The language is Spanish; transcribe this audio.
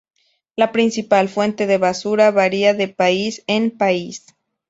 La principal fuente de basura varía de país en país.